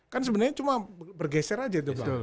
kan sebenarnya cuma bergeser aja itu pak